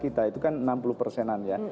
kita itu kan enam puluh persenan ya